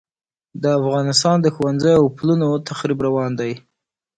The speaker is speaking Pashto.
د افغانستان د ښوونځیو او پلونو تخریب روان دی.